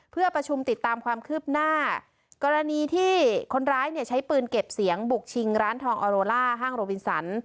เพื่อประชุมติดตามความคืบหน้ากรณีที่คนร้ายเนี่ยใช้ปืนเก็บเสียงบุกชิงร้านทองออโรล่าห้างโรบินสัน